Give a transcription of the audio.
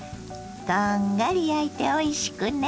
こんがり焼いておいしくね。